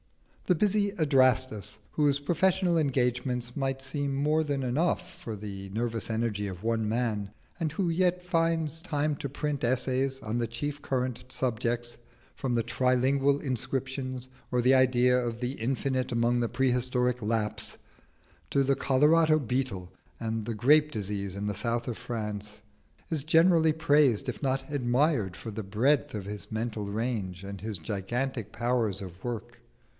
The busy Adrastus, whose professional engagements might seem more than enough for the nervous energy of one man, and who yet finds time to print essays on the chief current subjects, from the tri lingual inscriptions, or the Idea of the Infinite among the prehistoric Lapps, to the Colorado beetle and the grape disease in the south of France, is generally praised if not admired for the breadth of his mental range and his gigantic powers of work.